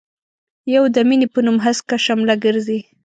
يو د مينې په نوم هسکه شمله ګرزي.